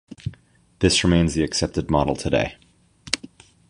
This remains the accepted model today.